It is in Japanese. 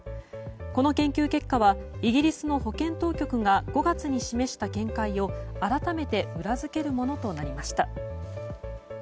この研究結果はイギリスの保健当局が５月に示した見解を改めて裏付けるものとなりました。